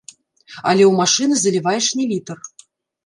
Але ў машыны заліваеш не літр.